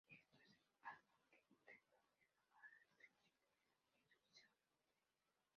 Esto es algo que Intel todavía no va a introducir en sus Xeon Phi.